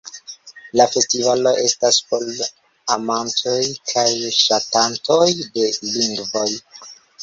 La festivalo estas por amantoj kaj ŝatantoj de lingvoj.